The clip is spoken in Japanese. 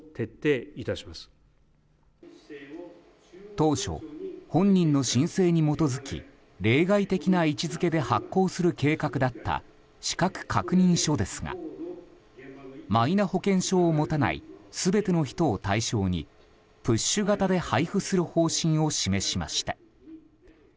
当初、本人の申請に基づき例外的な位置づけで発行する計画だった資格確認書ですがマイナ保険証を持たない全ての人を対象にプッシュ型で配布する方針を示しました。